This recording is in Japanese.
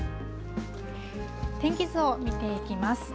天気図を見ていきます。